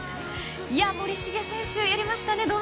森重選手、やりましたね